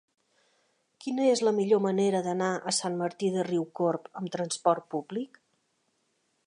Quina és la millor manera d'anar a Sant Martí de Riucorb amb trasport públic?